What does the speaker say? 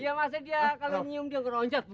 iya maksudnya dia kalau nyium dia ngeroncat